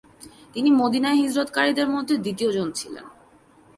তিনি মদিনায় হিজরত কারীদের মধ্যে দ্বিতীয়জন ছিলেন।